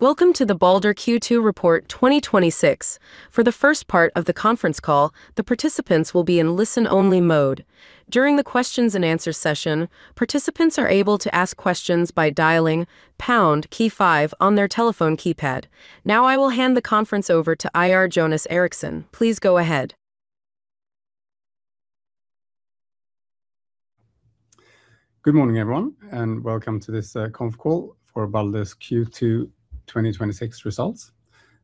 Welcome to the Balder Q2 report 2026. For the first part of the conference call, the participants will be in listen-only mode. During the questions-and-answers session, participants are able to ask questions by dialing pound key five on their telephone keypad. Now I will hand the conference over to IR Jonas Erikson. Please go ahead. Good morning, everyone. Welcome to this conf call for Balder's Q2 2026 results.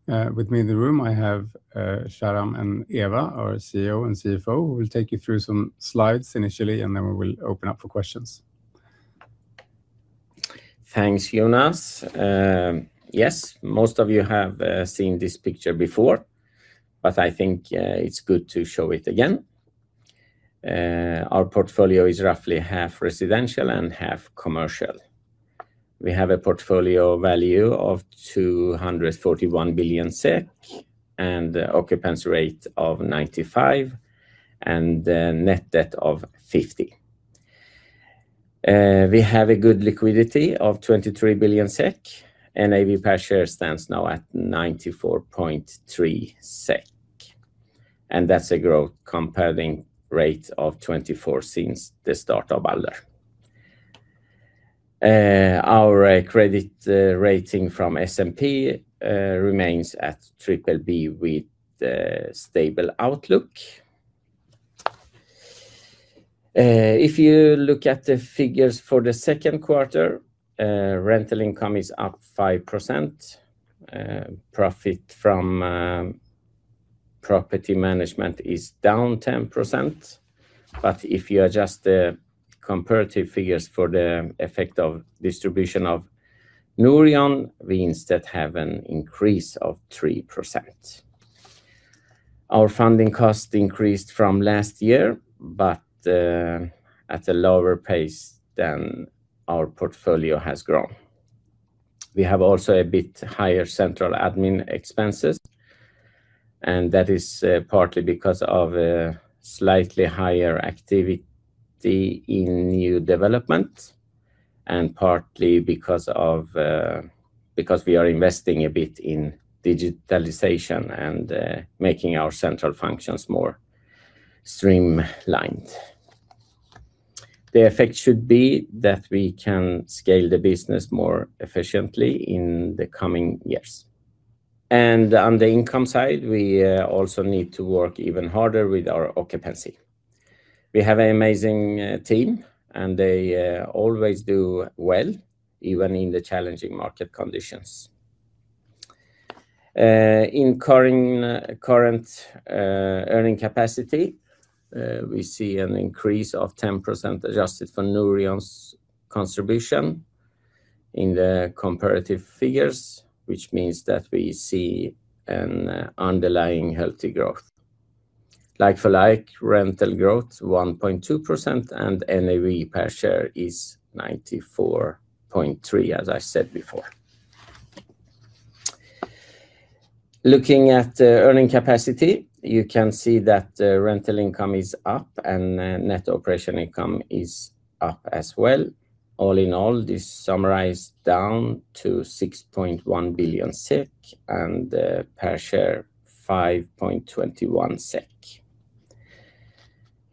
With me in the room, I have Sharam and Ewa, our CEO and CFO, who will take you through some slides initially. Then we will open up for questions. Thanks, Jonas. Most of you have seen this picture before, but I think it's good to show it again. Our portfolio is roughly half residential and half commercial. We have a portfolio value of 241 billion SEK, an occupancy rate of 95%, and a net debt of 50 billion. We have a good liquidity of 23 billion SEK, and NAV per share stands now at 94.3 SEK. That's a growth comparing rate of 24% since the start of Balder. Our credit rating from S&P remains at BBB with a stable outlook. If you look at the figures for the second quarter, rental income is up 5%. Profit from property management is down 10%. If you adjust the comparative figures for the effect of distribution of Norion, we instead have an increase of 3%. Our funding cost increased from last year, but at a lower pace than our portfolio has grown. We have also a bit higher central admin expenses. That is partly because of slightly higher activity in new development, and partly because we are investing a bit in digitalization and making our central functions more streamlined. The effect should be that we can scale the business more efficiently in the coming years. On the income side, we also need to work even harder with our occupancy. We have an amazing team, and they always do well, even in the challenging market conditions. In current earning capacity, we see an increase of 10%, adjusted for Norion's contribution in the comparative figures, which means that we see an underlying healthy growth. Like-for-like rental growth 1.2%, and NAV per share is 94.3, as I said before. Looking at the earning capacity, you can see that rental income is up and net operating income is up as well. All in all, this summarized down to 6.1 billion SEK, and the per share 5.21 SEK.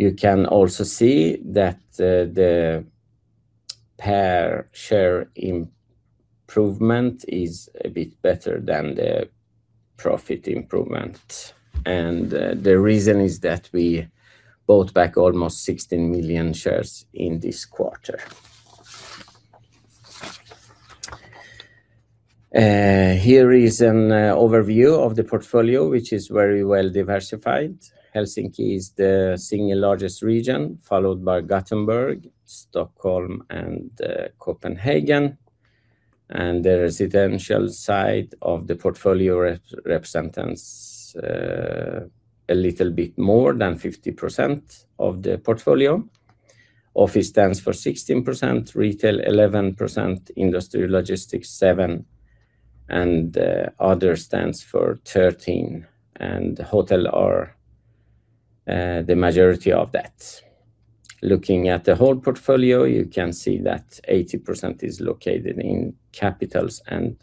You can also see that the per share improvement is a bit better than the profit improvement. The reason is that we bought back almost 16 million shares in this quarter. Here is an overview of the portfolio, which is very well-diversified. Helsinki is the single largest region, followed by Gothenburg, Stockholm, and Copenhagen. The residential side of the portfolio represents a little bit more than 50% of the portfolio. Office stands for 16%, retail 11%, industry logistics 7%, and other stands for 13%, and hotel are the majority of that. Looking at the whole portfolio, you can see that 80% is located in capitals and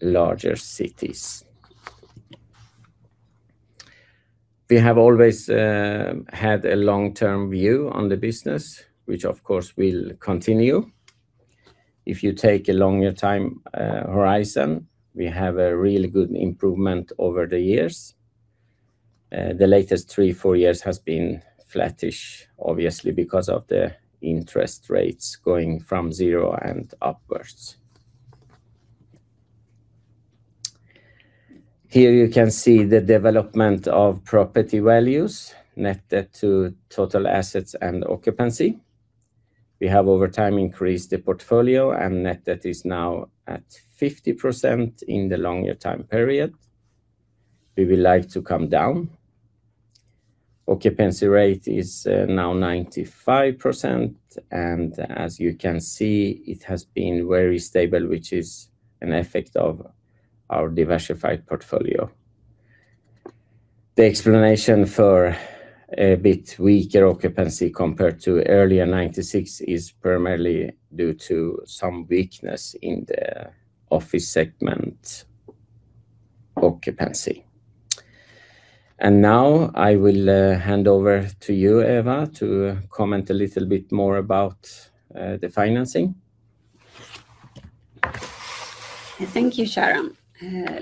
larger cities. We have always had a long-term view on the business, which of course will continue. If you take a longer time horizon, we have a really good improvement over the years. The latest three, four years has been flattish, obviously because of the interest rates going from zero and upwards. Here you can see the development of property values, net debt to total assets and occupancy. We have over time increased the portfolio, and net debt is now at 50% in the longer time period. We would like to come down. Occupancy rate is now 95%, and as you can see, it has been very stable, which is an effect of our diversified portfolio. The explanation for a bit weaker occupancy compared to earlier 96% is primarily due to some weakness in the office segment occupancy. Now I will hand over to you, Ewa, to comment a little bit more about the financing. Thank you, Sharam.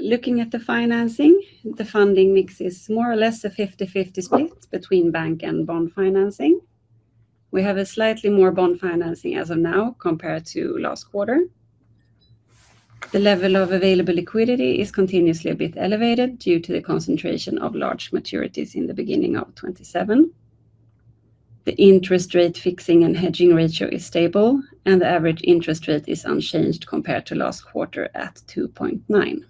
Looking at the financing, the funding mix is more or less a 50/50 split between bank and bond financing. We have slightly more bond financing as of now compared to last quarter. The level of available liquidity is continuously a bit elevated due to the concentration of large maturities in the beginning of 2027. The interest rate fixing and hedging ratio is stable, and the average interest rate is unchanged compared to last quarter at 2.9%.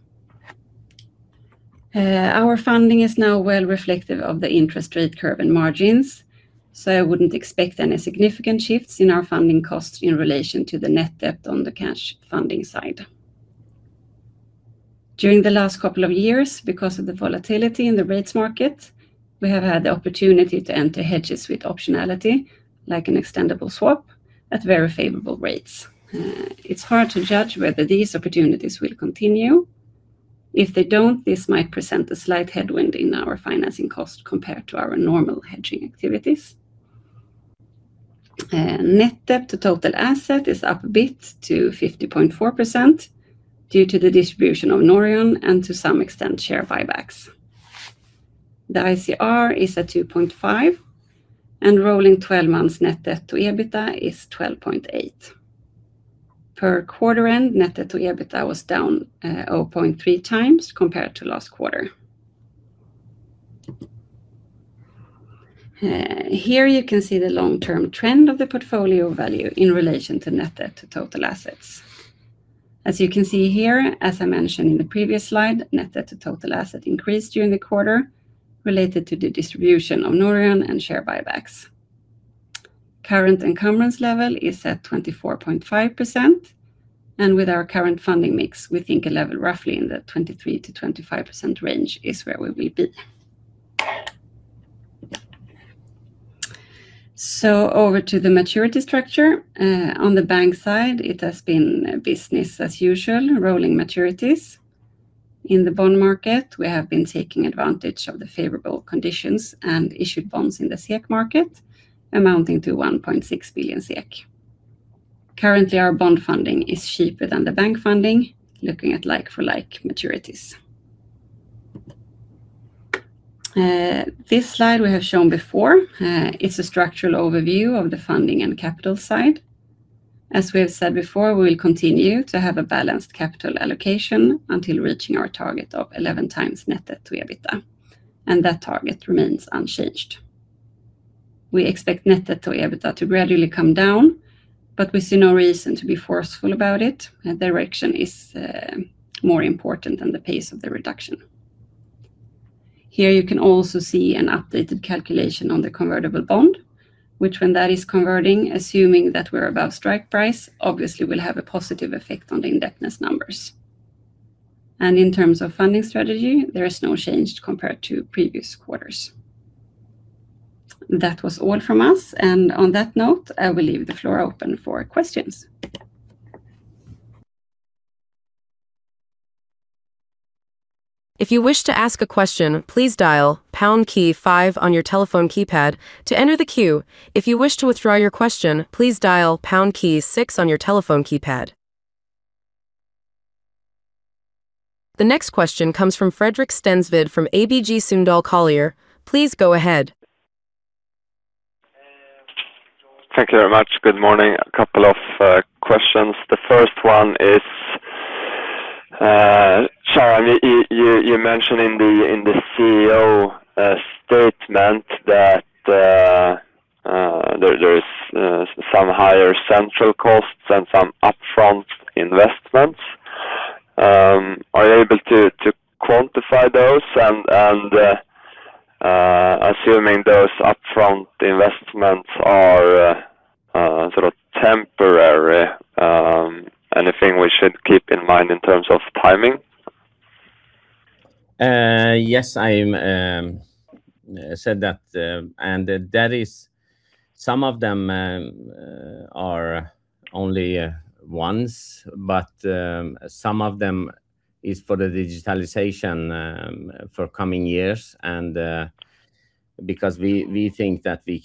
During the last couple of years, because of the volatility in the rates market, we have had the opportunity to enter hedges with optionality, like an extendable swap at very favorable rates. It's hard to judge whether these opportunities will continue. If they don't, this might present a slight headwind in our financing cost compared to our normal hedging activities. Net debt-to-total assets is up a bit to 50.4% due to the distribution of Norion and to some extent, share buybacks. The ICR is at 2.5%, and rolling 12 months net debt-to-EBITDA is 12.8x. Per quarter-end, net debt-to-EBITDA was down 0.3x compared to last quarter. Here you can see the long-term trend of the portfolio value in relation to net debt-to-total assets. As you can see here, as I mentioned in the previous slide, net debt-to-total assets increased during the quarter related to the distribution of Norion and share buybacks. Current encumbrance level is at 24.5%, and with our current funding mix, we think a level roughly in the 23%-25% range is where we will be. Over to the maturity structure. On the bank side, it has been business as usual, rolling maturities. In the bond market, we have been taking advantage of the favorable conditions and issued bonds in the SEK market amounting to 1.6 billion. Currently, our bond funding is cheaper than the bank funding, looking at like-for-like maturities. This slide we have shown before. It's a structural overview of the funding and capital side. As we have said before, we will continue to have a balanced capital allocation until reaching our target of 11x net debt-to-EBITDA, and that target remains unchanged. We expect net debt-to-EBITDA to gradually come down, but we see no reason to be forceful about it. The direction is more important than the pace of the reduction. Here you can also see an updated calculation on the convertible bond, which when that is converting, assuming that we're above strike price, obviously will have a positive effect on the indebtedness numbers. In terms of funding strategy, there is no change compared to previous quarters. That was all from us, and on that note, I will leave the floor open for questions. If you wish to ask a question, please dial pound key five on your telephone keypad to enter the queue. If you wish to withdraw your question, please dial pound key six on your telephone keypad. The next question comes from Fredrik Stensved from ABG Sundal Collier. Please go ahead. Thank you very much. Good morning. A couple of questions. The first one is, Sharam, you mentioned in the CEO statement that there is some higher central costs and some upfront investments. Are you able to quantify those? Assuming those upfront investments are temporary, anything we should keep in mind in terms of timing? Yes, I said that. Some of them are only once, but some of them are for the digitalization for coming years. We think that we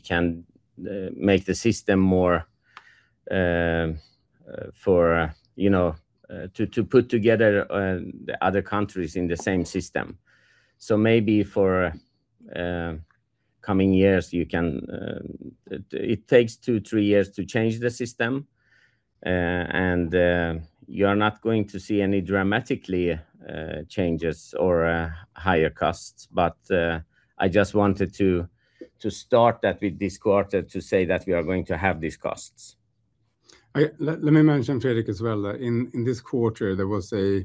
can make the system to put together the other countries in the same system. Maybe for coming years, it takes two to three years to change the system, and you are not going to see any dramatic changes or higher costs. I just wanted to start that with this quarter to say that we are going to have these costs. Let me mention, Fredrik, as well, in this quarter, there was a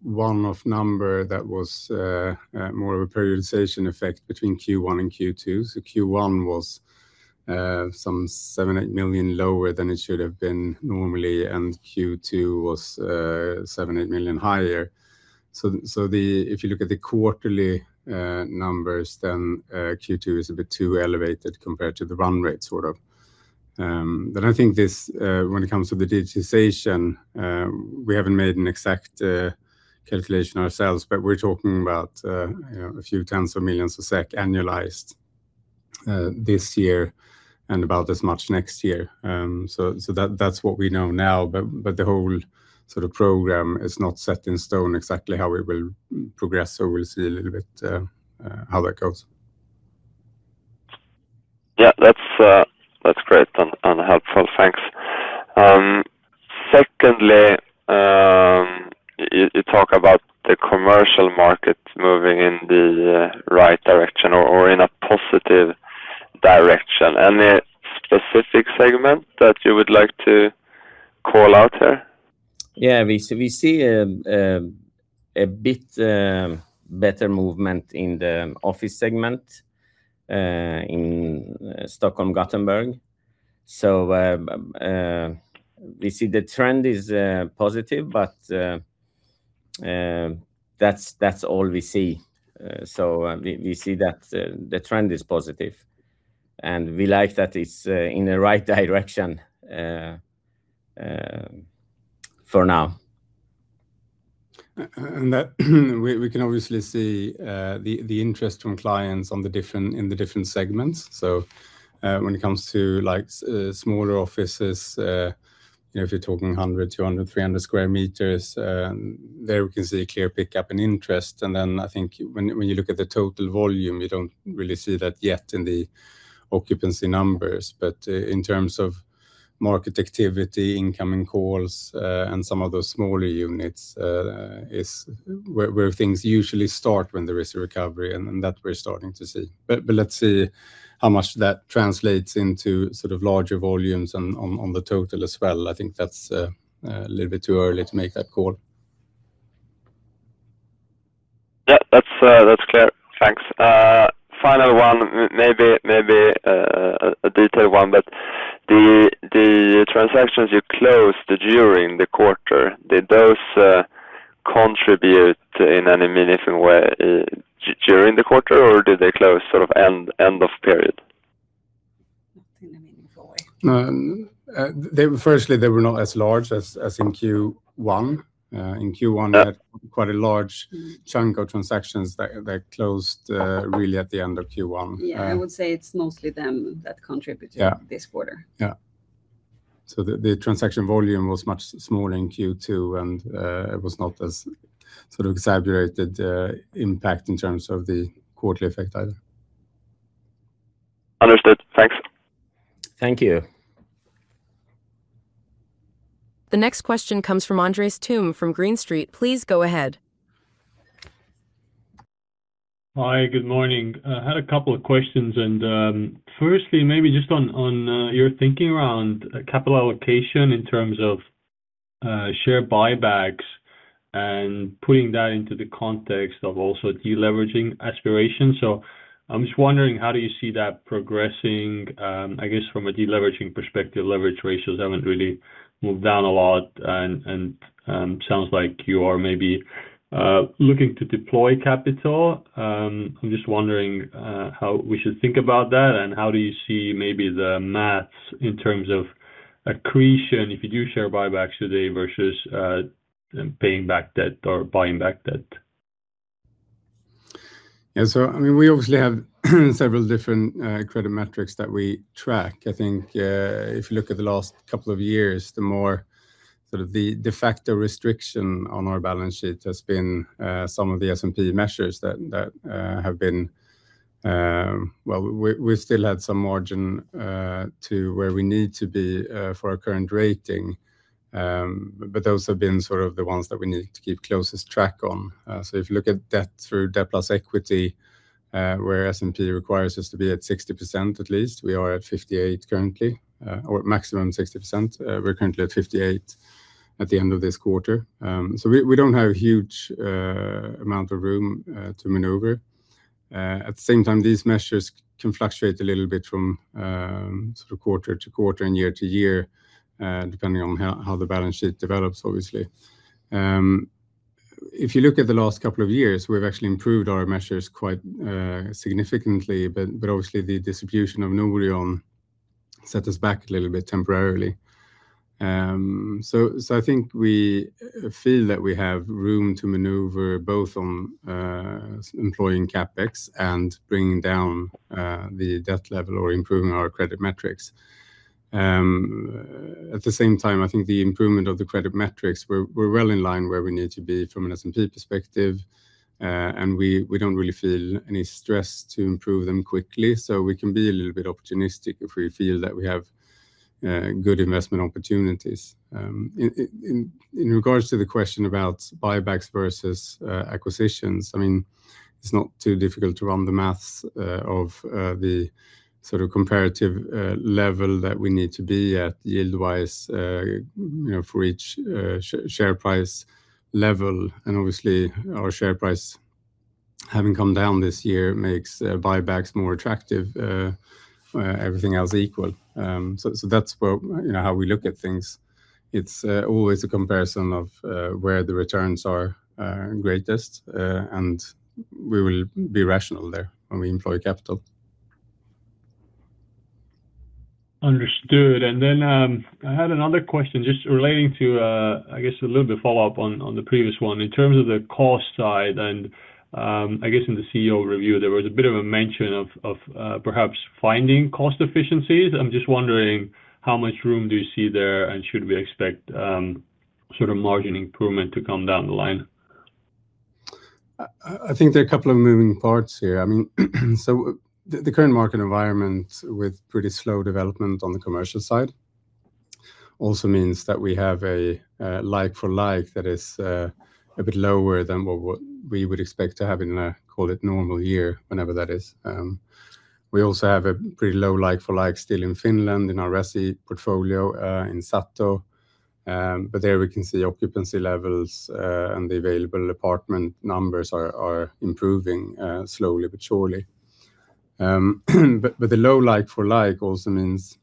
one-off number that was more of a periodization effect between Q1 and Q2. Q1 was some 7 million-8 million lower than it should have been normally, and Q2 was SEK 7 million-SEK 8 million higher. I think when it comes to the digitization, we haven't made an exact calculation ourselves, but we're talking about a few tens of millions of SEK annualized this year and about as much next year. That's what we know now, but the whole program is not set in stone exactly how it will progress. We'll see a little bit how that goes. Yeah. That's great and helpful. Thanks. Secondly, you talk about the commercial market moving in the right direction or in a positive direction. Any specific segment that you would like to call out here? We see a bit better movement in the office segment in Stockholm, Gothenburg. We see the trend is positive but that's all we see. We see that the trend is positive, and we like that it's in the right direction for now. We can obviously see the interest from clients in the different segments. When it comes to smaller offices, if you're talking 100-200-300 sq m, there we can see a clear pickup in interest. I think when you look at the total volume, you don't really see that yet in the occupancy numbers. In terms of market activity, incoming calls, and some of those smaller units, is where things usually start when there is a recovery, and that we're starting to see. Let's see how much that translates into larger volumes on the total as well. I think that's a little bit too early to make that call. That's clear. Thanks. Final one, maybe a detailed one, the transactions you closed during the quarter, did those contribute in any meaningful way during the quarter, or did they close end of period? Firstly, they were not as large as in Q1. In Q1. Yeah We had quite a large chunk of transactions that closed really at the end of Q1. I would say it's mostly them that contributed. Yeah This quarter. Yeah. the transaction volume was much smaller in Q2, and it was not as exaggerated impact in terms of the quarterly effect either. Understood. Thanks. Thank you. The next question comes from Andres Toome from Green Street. Please go ahead. Hi. Good morning. I had a couple of questions. Firstly, maybe just on your thinking around capital allocation in terms of share buybacks and putting that into the context of also deleveraging aspiration. I'm just wondering, how do you see that progressing? I guess from a deleveraging perspective, leverage ratios haven't really moved down a lot and sounds like you are maybe looking to deploy capital. I'm just wondering how we should think about that, how do you see maybe the maths in terms of accretion if you do share buybacks today versus paying back debt or buying back debt? Yeah. We obviously have several different credit metrics that we track. I think if you look at the last couple of years, the de facto restriction on our balance sheet has been some of the S&P measures that have been Well, we still had some margin to where we need to be for our current rating. Those have been the ones that we need to keep closest track on. If you look at debt through debt plus equity, where S&P requires us to be at 60% at least, we are at 58% currently, or maximum 60%. We're currently at 58% at the end of this quarter. We don't have a huge amount of room to maneuver. At the same time, these measures can fluctuate a little bit from quarter-to-quarter and year-to-year, depending on how the balance sheet develops, obviously. If you look at the last couple of years, we've actually improved our measures quite significantly. Obviously the distribution of Norion set us back a little bit temporarily. I think we feel that we have room to maneuver both on employing CapEx and bringing down the debt level or improving our credit metrics. At the same time, I think the improvement of the credit metrics, we're well in line where we need to be from an S&P perspective. We don't really feel any stress to improve them quickly, so we can be a little bit opportunistic if we feel that we have good investment opportunities. In regards to the question about buybacks versus acquisitions, it's not too difficult to run the maths of the comparative level that we need to be at yield wise for each share price level. Obviously our share price having come down this year makes buybacks more attractive, everything else equal. That's how we look at things. It's always a comparison of where the returns are greatest, we will be rational there when we employ capital. Understood. I had another question just relating to, I guess, a little bit follow-up on the previous one in terms of the cost side, and I guess in the CEO review, there was a bit of a mention of perhaps finding cost efficiencies. I'm just wondering how much room do you see there, and should we expect margin improvement to come down the line? I think there are a couple of moving parts here. The current market environment with pretty slow development on the commercial side also means that we have a like-for-like that is a bit lower than what we would expect to have in a, call it, normal year, whenever that is. We also have a pretty low like-for-like still in Finland, in our resi portfolio, in Sato. There we can see occupancy levels, and the available apartment numbers are improving slowly but surely. The low like-for-like also means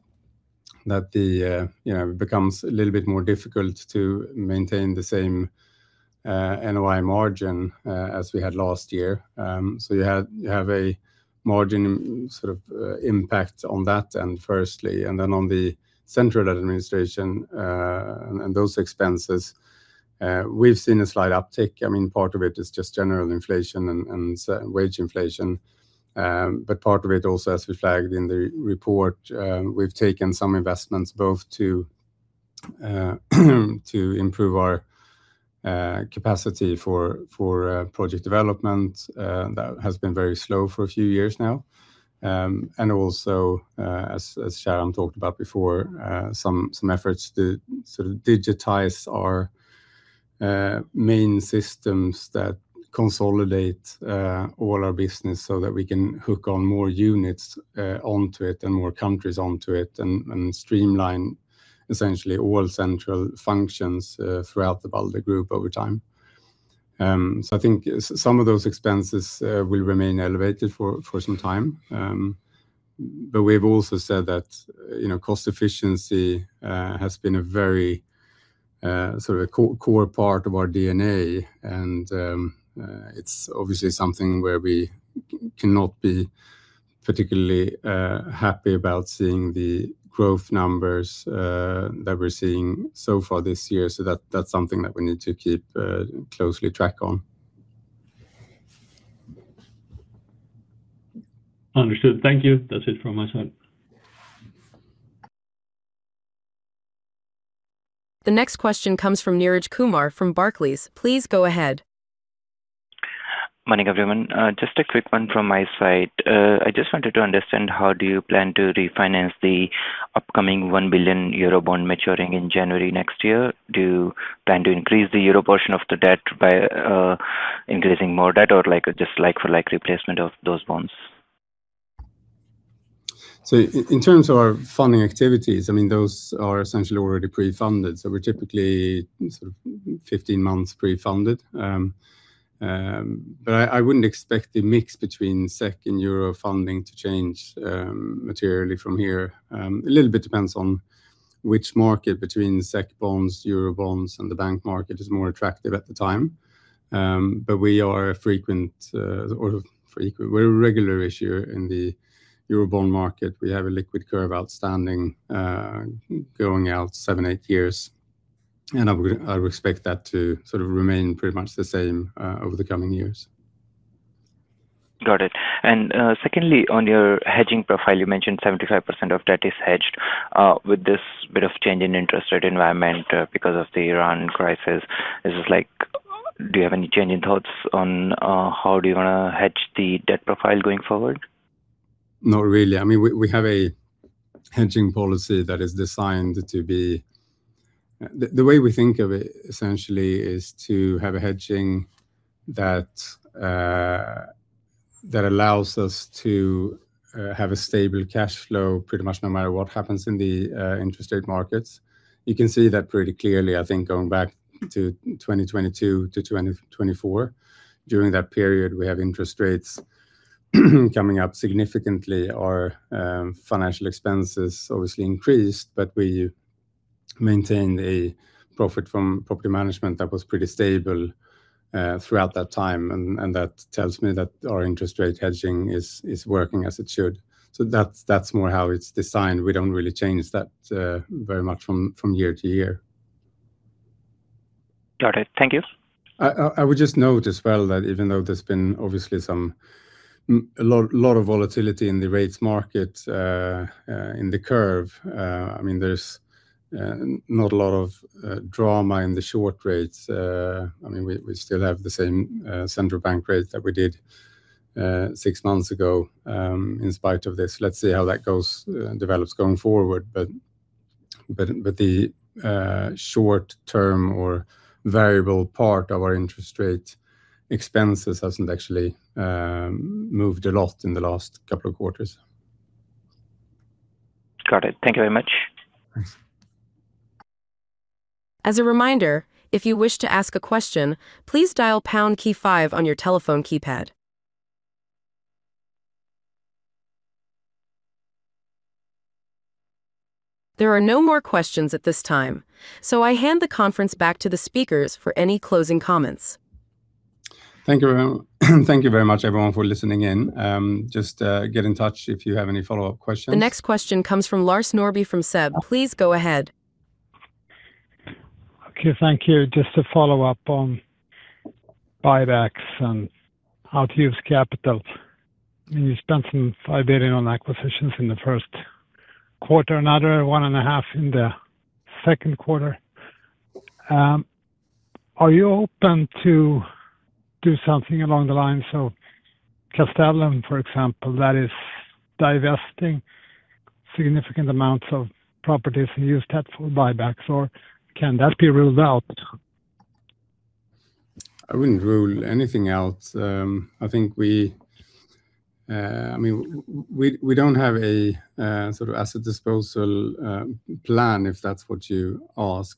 that it becomes a little bit more difficult to maintain the same NOI margin as we had last year. You have a margin impact on that firstly, and then on the central administration, and those expenses, we've seen a slight uptick. Part of it is just general inflation and wage inflation. Part of it also, as we flagged in the report, we've taken some investments both to improve our capacity for project development. That has been very slow for a few years now. Also, as Sharam talked about before, some efforts to digitize our main systems that consolidate all our business so that we can hook on more units onto it and more countries onto it and streamline essentially all central functions throughout the Balder group over time. I think some of those expenses will remain elevated for some time. We've also said that cost efficiency has been a very core part of our DNA, and it's obviously something where we cannot be particularly happy about seeing the growth numbers that we're seeing so far this year. That's something that we need to keep closely track on. Understood. Thank you. That's it from my side. The next question comes from Neeraj Kumar from Barclays. Please go ahead. Morning, everyone. Just a quick one from my side. I just wanted to understand how do you plan to refinance the upcoming 1 billion euro bond maturing in January next year? Do you plan to increase the euro portion of the debt by increasing more debt or just like-for-like replacement of those bonds? In terms of our funding activities, those are essentially already pre-funded. We're typically 15 months pre-funded. I wouldn't expect the mix between SEK and euro funding to change materially from here. A little bit depends on which market between SEK bonds, euro bonds, and the bank market is more attractive at the time. We're a regular issuer in the euro bond market. We have a liquid curve outstanding, going out seven, eight years, and I would expect that to remain pretty much the same over the coming years. Got it. Secondly, on your hedging profile, you mentioned 75% of debt is hedged. With this bit of change in interest rate environment because of the Iran crisis, do you have any change in thoughts on how do you want to hedge the debt profile going forward? Not really. We have a hedging policy that is designed to be. The way we think of it essentially is to have a hedging that allows us to have a stable cash flow pretty much no matter what happens in the interest rate markets. You can see that pretty clearly, I think, going back to 2022 to 2024. During that period, we have interest rates coming up significantly. Our financial expenses obviously increased, but we maintained a profit from property management that was pretty stable throughout that time, and that tells me that our interest rate hedging is working as it should. That's more how it's designed. We don't really change that very much from year-to-year. Got it. Thank you. I would just note as well that even though there's been obviously a lot of volatility in the rates market, in the curve, there's not a lot of drama in the short rates. We still have the same central bank rates that we did six months ago in spite of this. Let's see how that develops going forward. The short term or variable part of our interest rate expenses hasn't actually moved a lot in the last couple of quarters. Got it. Thank you very much. As a reminder, if you wish to ask a question, please dial pound key five on your telephone keypad. There are no more questions at this time. I hand the conference back to the speakers for any closing comments. Thank you very much everyone for listening in. Just get in touch if you have any follow-up questions. The next question comes from Lars Norrby from SEB. Please go ahead. Okay. Thank you. Just to follow up on buybacks and how to use capital. You spent some 5 billion on acquisitions in the first quarter, another 1.5 billion in the second quarter. Are you open to do something along the lines of Castellum, for example, that is divesting significant amounts of properties and use that for buybacks, or can that be ruled out? I wouldn't rule anything out. We don't have a sort of asset disposal plan, if that's what you ask.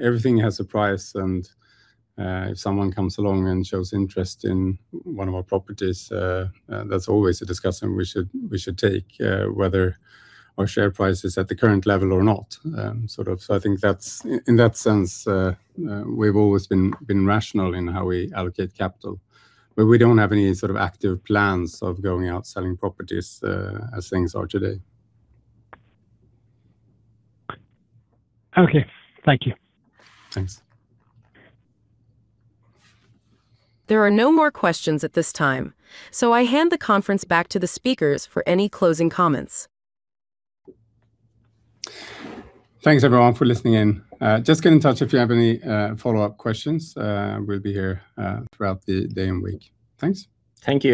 Everything has a price, and if someone comes along and shows interest in one of our properties, that's always a discussion we should take, whether our share price is at the current level or not. I think in that sense, we've always been rational in how we allocate capital, but we don't have any sort of active plans of going out selling properties as things are today. Okay. Thank you. Thanks. There are no more questions at this time, I hand the conference back to the speakers for any closing comments. Thanks everyone for listening in. Just get in touch if you have any follow-up questions. We'll be here throughout the day and week. Thanks. Thank you.